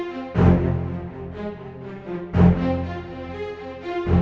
kembalikan bayi saya